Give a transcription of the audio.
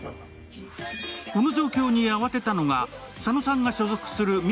この状況に慌てたのが、佐野さんが所属するＭ！